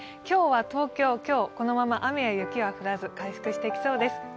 今日は東京、このまま雨や雪は降らず回復していきそうです。